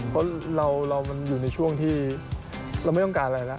เพราะเรามันอยู่ในช่วงที่เราไม่ต้องการอะไรแล้ว